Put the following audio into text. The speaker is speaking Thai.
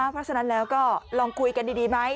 เพราะฉะนั้นแล้วก็ลองคุยกันดีไหม